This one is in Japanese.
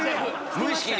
無意識に？